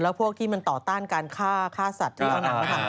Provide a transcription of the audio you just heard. แล้วพวกที่มันต่อต้านการฆ่าฆ่าสัตว์อย่างนั้น